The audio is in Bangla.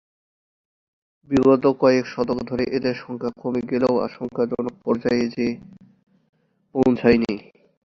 বিগত কয়েক দশক ধরে এদের সংখ্যা কমে গেলেও আশঙ্কাজনক পর্যায়ে যেয়ে পৌঁছায় নি।